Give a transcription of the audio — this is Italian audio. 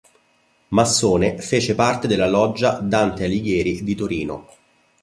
Massone, fece parte della loggia "Dante Alighieri" di Torino.